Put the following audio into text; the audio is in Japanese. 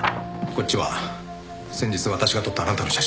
こっちは先日私が撮ったあなたの写真です。